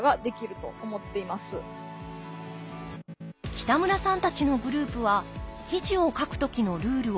北村さんたちのグループは記事を書く時のルールを設けています。